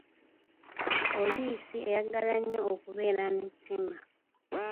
Poliisi eyagala nnyo okubeera n'ettima.